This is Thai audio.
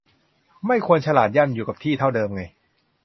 ไม่ควรฉลาดย่ำอยู่กับที่เท่าเดิมไง